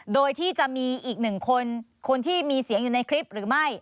โดยที่จะมีอีกหนึ่งคนคนที่มีเสียงอยู่ในคลิปหรือไม่